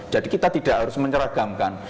jadi kita tidak harus menyeragamkan